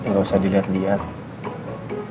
gak usah diliat liat